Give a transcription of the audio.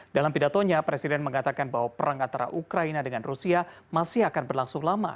dalam pidatonya presiden mengatakan bahwa perang antara ukraina dengan rusia masih akan berlangsung lama